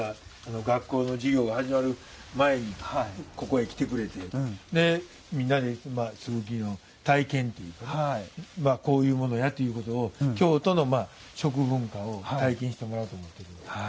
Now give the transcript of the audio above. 早朝から学校の授業が始まる前に、ここに来てくれてみんなで、すぐきの体験というかこういうものだということを京都の食文化を体験してもらっています。